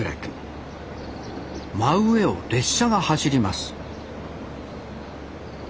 真上を列車が走ります